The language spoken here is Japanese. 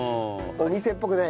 お店っぽくない。